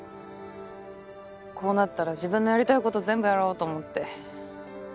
こうなったら自分のやりたいこと全部やろうと思って。